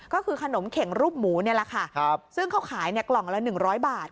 ก็คือขนมเข็งรูปหมูนี่แหละค่ะซึ่งเขาขายเนี่ยกล่องละ๑๐๐บาท